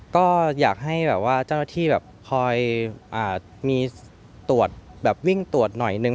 ก็อยากให้แบบว่าเจ้าหน้าที่แบบคอยมีตรวจแบบวิ่งตรวจหน่อยนึง